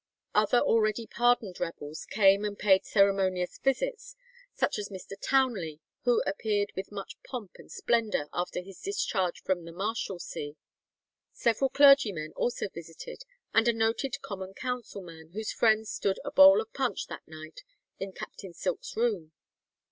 Other already pardoned rebels came and paid ceremonious visits, such as Mr. Townley, who appeared with much pomp and splendour after his discharge from the Marshalsea. Several clergymen also visited, and a noted common council man, whose friends stood a bowl of punch that night in Captain Silk's room.